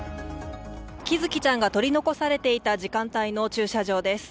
喜寿生ちゃんが取り残されていた時間帯の駐車場です。